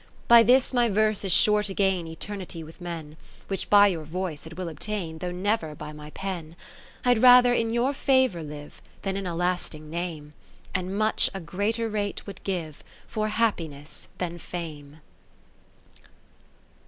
20 By this my verse is sure to gain Eternity with men, Which by your voice it will obtain, Though never by my pen. Fd rather in your favour live Than in a lasting name. And much a greater rate would give For Happiness than Fame.